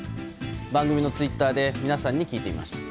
番組のツイッターで皆さんに聞いてみました。